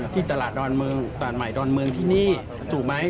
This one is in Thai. ที่ตลาดดอนเมืองตลาดใหม่ดอนเมืองที่นี่ถูกไหม